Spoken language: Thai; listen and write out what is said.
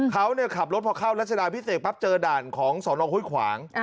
เขาเนี่ยขับรถพอเข้ารัชดาวิทยาลัยพิเศษปั๊บเจอด่านของสอนองค์หุ้ยขวาง